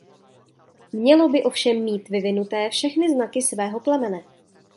Mělo by ovšem mít vyvinuté všechny znaky svého plemene.